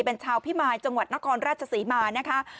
เป็นชาวพิมายจังหวัดนครราชศรีมานะคะ